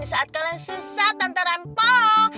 di saat kalian susah tante rempong